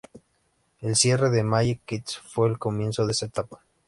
El cierre de Magic Kids fue el comienzo de esta etapa.